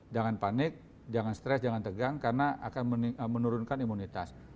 jangan panik jangan stres jangan tegang karena akan menurunkan imunitas